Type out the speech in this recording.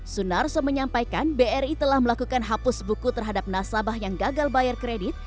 sunarso menyampaikan bri telah melakukan hapus buku terhadap nasabah yang gagal bayar kredit